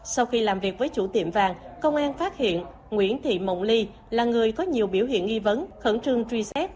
sau khi làm việc với chủ tiệm vàng công an phát hiện nguyễn thị mộng ly là người có nhiều biểu hiện nghi vấn khẩn trương truy xét